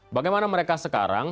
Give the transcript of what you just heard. bagaimana mereka sekarang